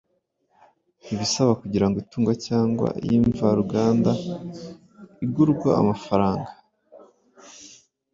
ibasaba kugira itungo cyangwa iy’imvaruganda igurwa amafaranga.